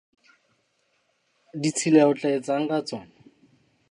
Ditshila o tla etsa eng ka tsona?